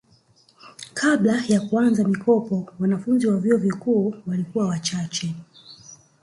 kabla ya kuanza mikopo wananfunzi wa vyuo vikuu walikuwa wachache